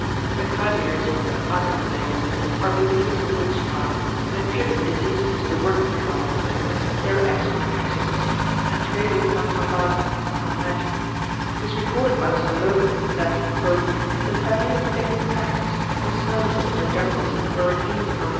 The Kadirs of the Anaimalais are believers in witchcraft, and attribute diseases to the working thereof. They are expert exorcists, and trade in mantravadam or magic. It is recorded by Mr Logan that "the family of famous trackers, whose services in the jungles were retained for H.R.